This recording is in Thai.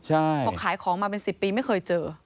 เพราะขายของมาเป็น๑๐ปีไม่เคยเจอ